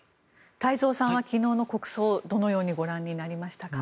太蔵さんは昨日の国葬どのようにご覧になりましたか？